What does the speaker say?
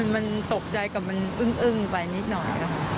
มันตกใจกับมันอึ้งไปนิดหน่อยค่ะ